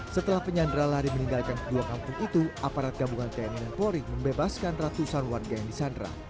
setelah penyandra lari meninggalkan kedua kampung itu aparat gabungan tni dan polri membebaskan ratusan warga yang disandra